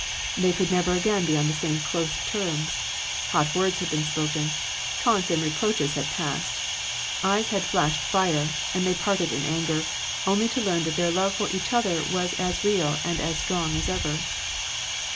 They could never again be on the same close terms; hot words had been spoken; taunts and reproaches had passed; eyes had flashed fire, and they parted in anger — only to learn that their love for each other was as real and as strong as ever.